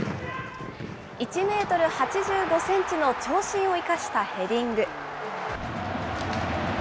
１メートル８５センチの長身を生かしたヘディング。